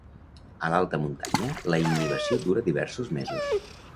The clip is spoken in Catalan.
A l'alta muntanya, la innivació dura diversos mesos.